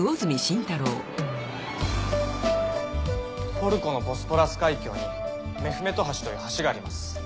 トルコのボスポラス海峡にメフメト橋という橋があります。